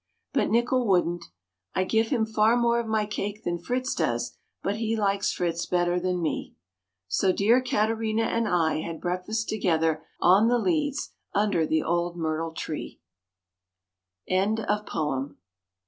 But Nickel wouldn't. I give him far more of my cake than Fritz does, but he likes Fritz better than me. So dear Katerina and I had breakfast together on the leads under the old myrtle tree. THE WILLOW MAN.